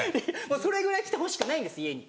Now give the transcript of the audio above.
それぐらい来てほしくないんです家に。